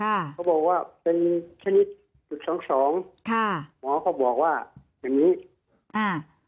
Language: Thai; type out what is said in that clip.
เขาบอกว่าเป็นชนิดจุดสองสองค่ะหมอก็บอกว่าอย่างงี้อ่า